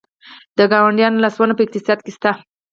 د ګاونډیانو لاسوهنه په اقتصاد کې شته؟